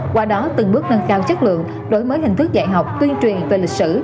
qua đó từng bước nâng cao chất lượng đổi mới hình thức dạy học tuyên truyền về lịch sử